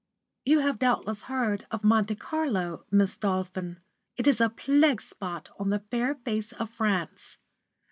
You have doubtless heard of Monte Carlo, Miss Dolphin? It is a plague spot on the fair face of France.